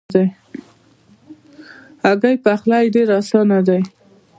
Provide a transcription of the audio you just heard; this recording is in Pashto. هګۍ پخلی ډېر آسانه دی.